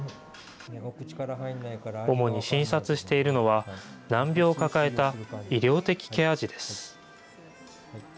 主に診察しているのは、難病を抱えた医療的ケア児です。